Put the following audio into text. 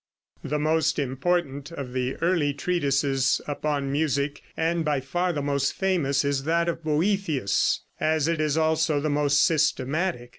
The most important of the earliest treatises upon music, and by far the most famous, is that of Boethius, as it is also the most systematic.